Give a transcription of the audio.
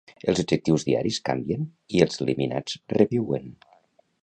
Els objectius diaris canvien i els eliminats reviuen